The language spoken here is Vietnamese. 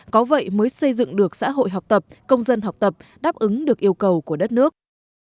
có vậy mới xây dựng được xã hội học tập công dân học tập đáp ứng được yêu cầu của đất nước